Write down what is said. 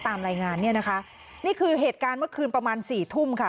ตามรายงานเนี่ยนะคะนี่คือเหตุการณ์เมื่อคืนประมาณสี่ทุ่มค่ะ